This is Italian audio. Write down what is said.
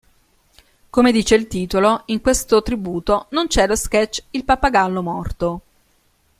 Come dice il titolo, in questo tributo non c'è lo sketch "Il pappagallo morto".